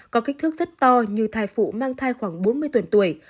có kích thước rất to như thai phụ mang thai khoảng bốn mươi tuần tuổi